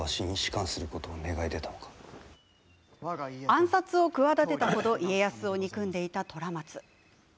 暗殺を企てた程家康を憎んでいた虎松。